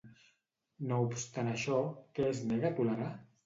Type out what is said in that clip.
No obstant això, què es nega a tolerar?